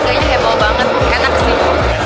kayaknya heboh banget enak sih